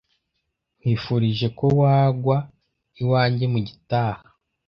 [S] Nkwifurije ko wagwa iwanjye mugitaha.